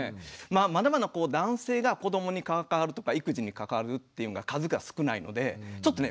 まだまだ男性が子どもに関わるとか育児に関わるっていうのが数が少ないのでちょっとね